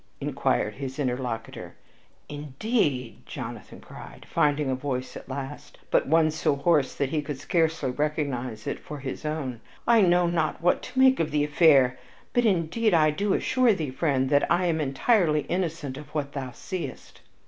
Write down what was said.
inquired his interlocutor. "Indeed," cried Jonathan, finding a voice at last, but one so hoarse that he could hardly recognize it for his own, "I know not what to make of the affair! But, indeed, I do assure thee, friend, that I am entirely innocent of what thou seest."